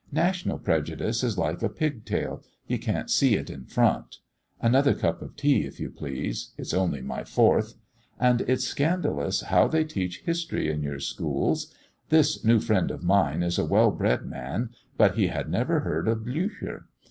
National prejudice is like a pig tail you can't see it in front. Another cup of tea, if you please, it's only my fourth. And it's scandalous how they teach history in your schools. This new friend of mine is a well bred man, but he had never heard of Blücher.